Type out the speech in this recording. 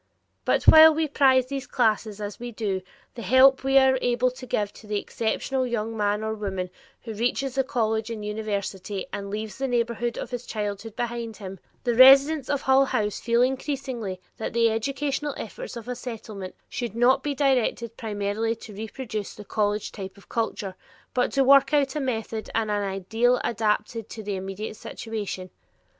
But while we prize these classes as we do the help we are able to give to the exceptional young man or woman who reaches the college and university and leaves the neighborhood of his childhood behind him, the residents of Hull House feel increasingly that the educational efforts of a Settlement should not be directed primarily to reproduce the college type of culture, but to work out a method and an ideal adapted to the immediate situation.